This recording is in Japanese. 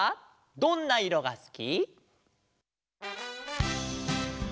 「どんないろがすき」「」